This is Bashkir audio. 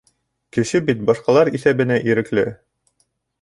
Кеше бит башҡалар иҫәбенә ирекле.